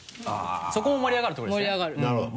そこも盛り上がる所です。